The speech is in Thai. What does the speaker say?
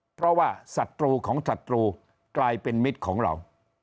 เพราะว่าศัตรูของศัตรูกลายเป็นมิตรของเรา